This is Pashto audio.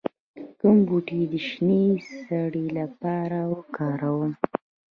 کوم بوټي د شینې سرې لپاره وکاروم؟